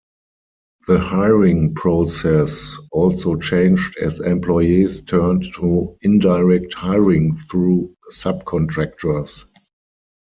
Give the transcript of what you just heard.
The hiring process also changed as employers turned to indirect hiring through subcontractors.